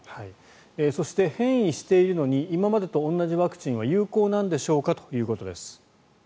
そして、変異しているのに今までと同じワクチンは有効なんでしょうか？ということです。